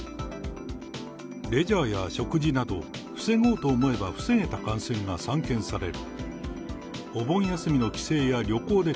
レジャーや食事など、防ごうと思えば防げた感染が散見される。